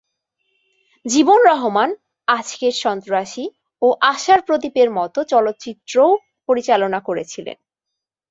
জীবন রহমান "আজকের সন্ত্রাসী" ও "আশার প্রদীপ" এর মত চলচ্চিত্রও পরিচালনা করেছিলেন।